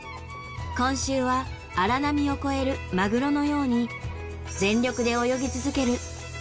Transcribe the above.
今週は荒波を越えるマグロのように全力で泳ぎ続ける女性の物語です。